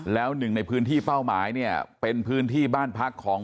แล้วหนึ่งในพื้นที่เป้าหมายเนี่ยเป็นพื้นที่บ้านพักของ